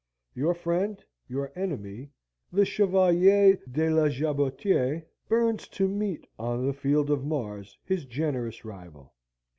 Your friend, your enemy, the Chevalier de la Jabotiere, burns to meet on the field of Mars his generous rival.